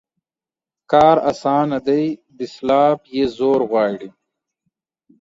کار اسانه دى ، دسلاپ يې زور غواړي.